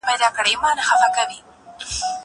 زه اجازه لرم چي د کتابتون کتابونه لوستل کړم!!